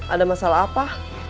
ada masalah apa